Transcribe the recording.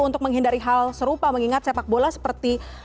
untuk menghindari hal serupa mengingat sepak bola seperti